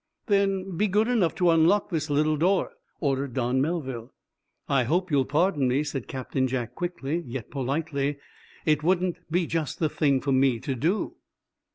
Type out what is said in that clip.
"Then be good enough to unlock this little door," ordered Don Melville. "I hope you'll pardon me," said Captain Jack, quickly, yet politely. "It wouldn't be just the thing for me to do."